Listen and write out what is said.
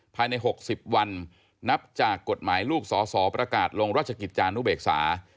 ภายใน๖๐วันนับจากกฎหมายลูกสอสอประกาศลงราชกิจจานุเบกษา